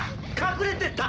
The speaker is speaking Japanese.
隠れてた！